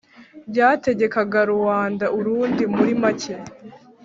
bwategekaga Ruanda Urundi Muri make